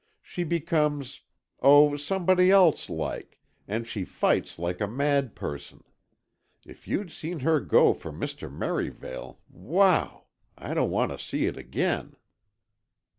She becomes—oh, somebody else, like—and she fights like a mad person. If you'd seen her go for Mr. Merivale—wow! I don't want to see it again!"